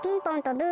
ブー！